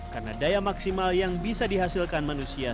karena daya maksimal yang bisa dihasilkan manusia